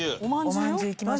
おまんじゅういきます。